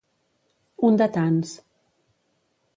Un de tants.